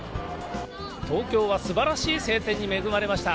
東京はすばらしい晴天に恵まれました。